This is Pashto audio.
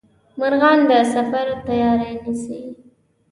مرغان د سفر تیاري نیسي